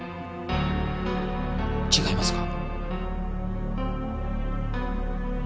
違いますか？